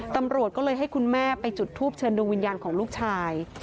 ตำรวจก็เลยให้คุณแม่ไปจุดทูปเชิญดวงวิญญาณของลูกชาย